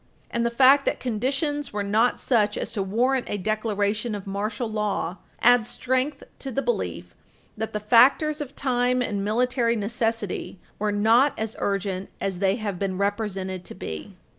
And the fact that conditions were not such as to warrant a declaration of martial law adds strength to the belief that the factors of time and military necessity were not as urgent as they have been represented to be.